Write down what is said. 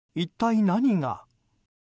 一体何が？